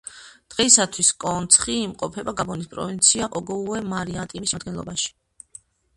დღეისათვის კონცხი იმყოფება გაბონის პროვინცია ოგოუე-მარიტიმის შემადგენლობაში.